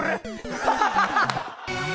ハハハハ！